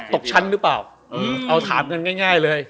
ตกชั้นหรือเปล่าเอาถามกันง่ายเลย